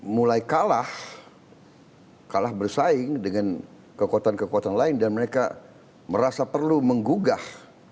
mulai kalah kalah bersaing dengan kekuatan kekuatan lain dan mereka merasa perlu menggugah